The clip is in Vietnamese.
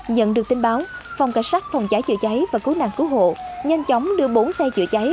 nhận được tin báo phòng cảnh sát phòng cháy chữa cháy và cứu nạn cứu hộ nhanh chóng đưa bốn xe chữa cháy